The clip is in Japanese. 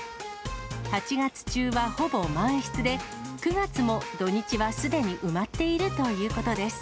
８月中はほぼ満室で、９月も土日はすでに埋まっているということです。